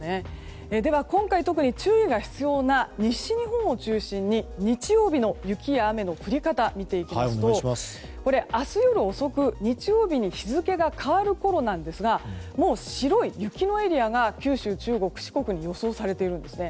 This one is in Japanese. では、今回特に注意が必要な西日本を中心に日曜日の雪や雨の降り方を見ていきますと明日夜遅く日曜日に日付が変わるころなんですがもう白い雪のエリアが九州、中国、四国に予想されているんですね。